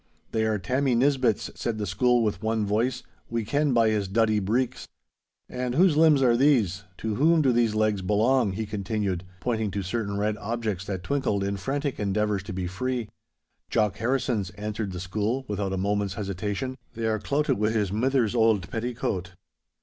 'They are Tammy Nisbett's,' said the school with one voice, 'we ken by his duddy breeks!' 'And whose limbs are these—to whom do these legs belong?' he continued, pointing to certain red objects that twinkled in frantic endeavours to be free. 'Jock Harrison's,' answered the school without a moment's hesitation; 'they are clouted wi' his mither's auld petticoat!